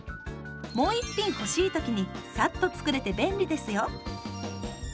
もう１品欲しい時にサッと作れて便利ですよ。